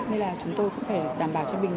nên là chúng tôi cũng phải đảm bảo cho mình